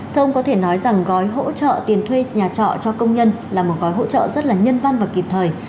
thưa ông có thể nói rằng gói hỗ trợ tiền thuê nhà trọ cho công nhân là một gói hỗ trợ rất là nhân văn và kịp thời